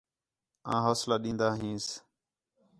آں حوصلہ ݙین٘دا ہینس